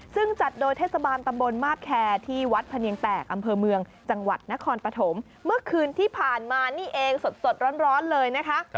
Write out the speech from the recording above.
ซึ่งจัดโดยเทศบาลตำบลมาบแคร์ที่วัดพะเนียงแตกอำเภอเมืองจังหวัดนครปฐมเมื่อคืนที่ผ่านมานี่เองสดร้อนเลยนะคะ